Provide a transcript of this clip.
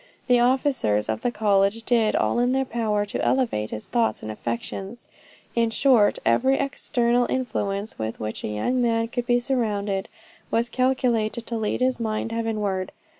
The officers of the college did all in their power to elevate his thoughts and affections. In short, every external influence with which a young man could be surrounded, was calculated to lead his mind heavenward.